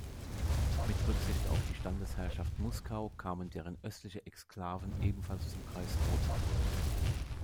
Mit Rücksicht auf die Standesherrschaft Muskau kamen deren östliche Exklaven ebenfalls zum Kreis Rothenburg.